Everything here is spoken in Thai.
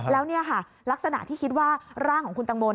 แล้วนี่ค่ะลักษณะที่คิดว่าร่างของคุณตังโม